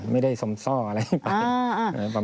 ไม่ได้ซ่ออะไรที่ไป